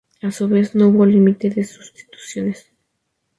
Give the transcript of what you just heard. A su vez, no hubo límite de sustituciones.